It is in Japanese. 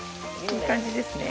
いい感じですね。